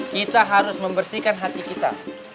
kita harus membersihkan hati kita